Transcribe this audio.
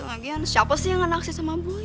lagian siapa sih yang naksir sama boy